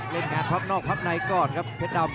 อื้อหือจังหวะขวางแล้วพยายามจะเล่นงานด้วยซอกแต่วงใน